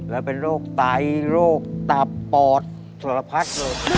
และเป็นโรคไตโรคตับปอดสละพัด